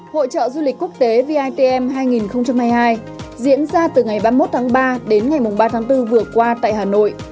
hội trợ du lịch quốc tế vitm hai nghìn hai mươi hai diễn ra từ ngày ba mươi một tháng ba đến ngày ba tháng bốn vừa qua tại hà nội